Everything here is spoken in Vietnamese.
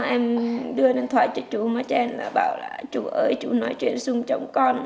em đưa điện thoại cho chú mà chàng là bảo là chú ơi chú nói chuyện súng chồng con